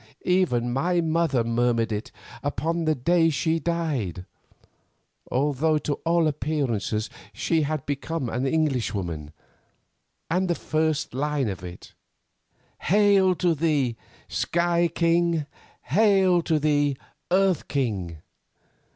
Even my mother murmured it upon the day she died, although to all appearances she had become an Englishwoman; and the first line of it, "'Hail to thee, Sky King! Hail to thee, Earth King!